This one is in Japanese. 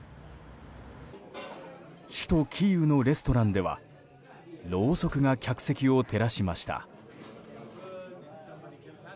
首都キーウのレストランではろうそくが客席を照らしました。